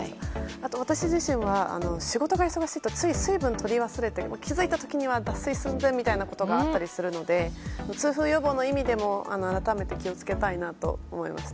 あと私自身は、仕事が忙しいとつい水分をとり忘れて気づいた時に脱水寸前ということがあるので痛風予防の意味でも改めて気をつけたいなと思いました。